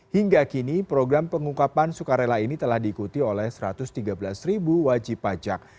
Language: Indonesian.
hingga kini program pengungkapan sukarela ini telah diikuti oleh satu ratus tiga belas ribu wajib pajak